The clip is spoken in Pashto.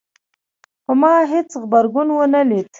خو ما هیڅ غبرګون ونه لید